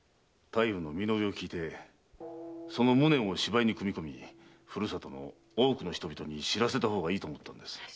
太夫の身の上を聞いてその無念を芝居に組み込み故郷の多くの人々に知らせた方がいいと思ったんです。